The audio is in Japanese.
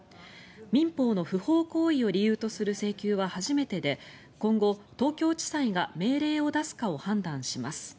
民法の不法行為を理由とする請求は初めてで今後、東京地裁が命令を出すかを判断します。